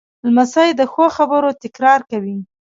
لمسی د ښو خبرو تکرار کوي.